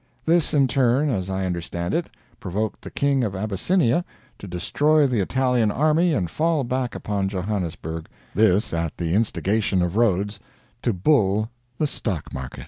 This, in turn, as I understand it, provoked the King of Abyssinia to destroy the Italian army and fall back upon Johannesburg; this at the instigation of Rhodes, to bull the stock market.